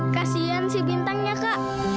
kasian si bintangnya kak